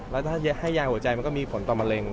แล้วถ้าให้ยาหัวใจมันก็มีผลต่อมะเร็ง